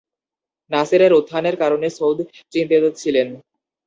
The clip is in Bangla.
নাসেরের উত্থানের কারণে সৌদ চিন্তিত ছিলেন।